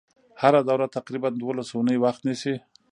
هره دوره تقریبا دولس اونۍ وخت نیسي.